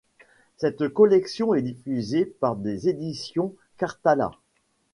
Cette collection est diffusée par les éditions Karthala.